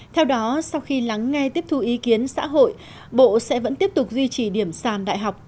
theo đó sau khi lắng nghe tiếp thu ý kiến xã hội bộ sẽ vẫn tiếp tục duy trì điểm sàn đại học